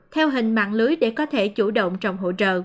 theo hình mạng lưới để có thể chủ động trong hỗ trợ